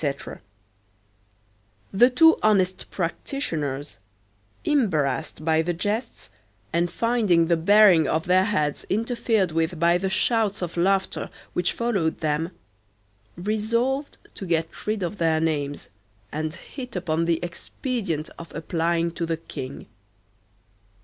13 The two honest practitioners, embarrassed by the jests, and finding the bearing of their heads interfered with by the shouts of laughter which followed them, resolved to get rid of their names, and hit upon the expedient of applying to the king.